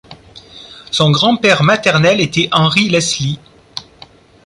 Son grand-père maternel était Henry Leslie.